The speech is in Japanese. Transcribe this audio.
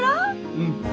うん。